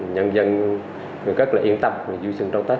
nhân dân rất yên tâm vui sưng đấu tết